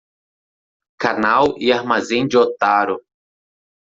Canal e Armazém de Otaru